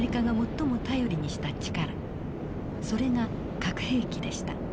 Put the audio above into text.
それが核兵器でした。